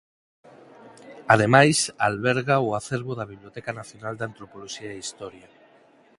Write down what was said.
Ademais alberga o acervo da Biblioteca Nacional de Antropoloxía e Historia.